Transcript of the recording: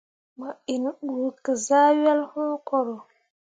Mo inɓugezah wel wũ koro.